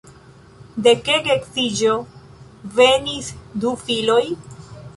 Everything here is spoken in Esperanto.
De ke geedziĝo venis du filoj.